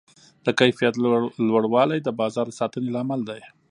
د کیفیت لوړوالی د بازار د ساتنې لامل دی.